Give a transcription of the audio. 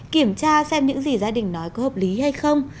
kiểm tra xem những gì gia đình nói có hợp lý hay không